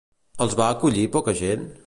Els va acollir poca gent?